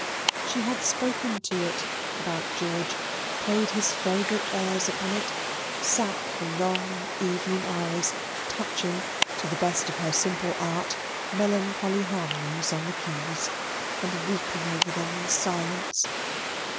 She had spoken to it about George; played his favourite airs upon it; sat for long evening hours, touching, to the best of her simple art, melancholy harmonies on the keys, and weeping over them in silence.